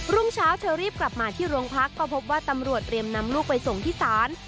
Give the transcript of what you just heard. รุ่งเช้าเธอรีบกลับมาที่โรงพักก็พบว่าตำรวจเรียมนำลูกไปส่งที่ศาล